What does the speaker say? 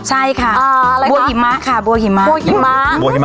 ใช่ค่ะอ่าอะไรค่ะบัวหิมะค่ะบัวหิมะบัวหิมะ